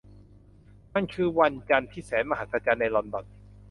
มันคือวันจันทร์ที่แสนมหัศจรรย์ในลอนดอน